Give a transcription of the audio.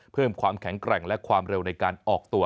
เพิ่มความแข็งแกร่งและความเร็วในการออกตัว